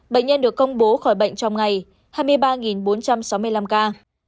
bệnh nhân được công bố khỏi bệnh trong ngày hai mươi ba bốn trăm sáu mươi năm ca